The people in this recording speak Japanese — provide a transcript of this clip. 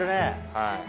はい。